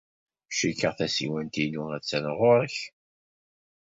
Cikkeɣ tasiwant-inu attan ɣer-k.